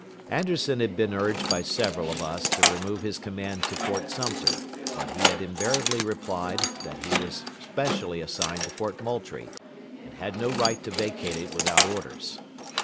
'" Anderson had been urged by several of us to remove his command to Fort Sumter, but he had invariably replied that he was specially assigned to Fort Moultrie, and had no right to vacate it without orders.